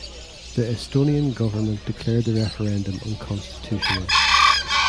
The Estonian government declared the referendum unconstitutional.